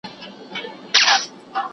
ترتيب مهم دئ.